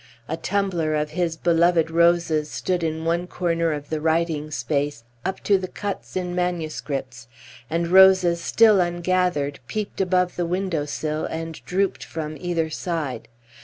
A tumbler of his beloved roses stood in one corner of the writing space, up to the cuts in MSS., and roses still ungathered peeped above the window sill and drooped from either side.